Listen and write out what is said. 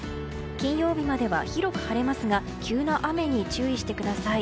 金曜日までは広く晴れますが急な雨に注意してください。